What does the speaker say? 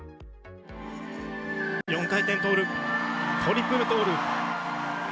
４回転トーループ、トリプルトーループ。